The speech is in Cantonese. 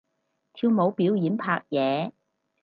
跳舞表演拍嘢